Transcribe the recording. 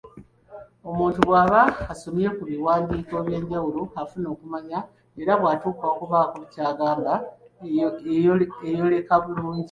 Omuntu bw’aba asomye ku biwandiiko eby’enjawulo afuna okumanya era bw’atuuka okubaako ky’agamba eyoleka obumanyi.